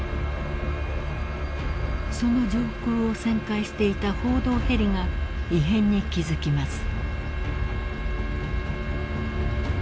［その上空を旋回していた報道ヘリが異変に気付きます］